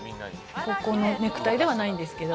高校のネクタイではないんですけど。